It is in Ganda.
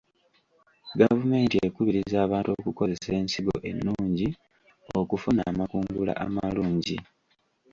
Gavumenti ekubiriza abantu okukozesa ensigo ennungi okufuna amakungula amalungi.